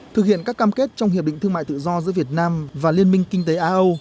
thực hiện các cam kết trong hiệp định thương mại tự do giữa việt nam và liên minh kinh tế á âu